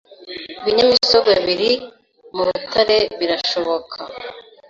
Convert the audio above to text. Ibinyamisogwe biri mu rutare birashoboka